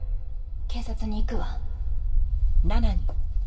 警察に行くわ。